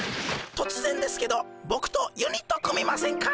とつぜんですけどボクとユニット組みませんか？